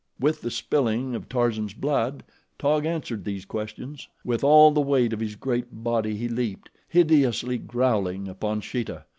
With the spilling of Tarzan's blood, Taug answered these questions. With all the weight of his great body he leaped, hideously growling, upon Sheeta.